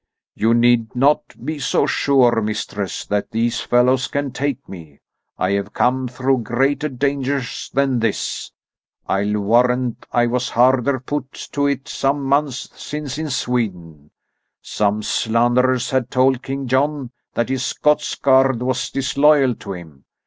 "You need not be so sure, mistress, that these fellows can take me. I have come through greater dangers than this. I'll warrant I was harder put to it some months since in Sweden. Some slanderers had told King John that his Scots guard was disloyal to him.